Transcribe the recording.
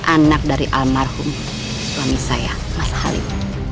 anak dari almarhum suami saya mas halim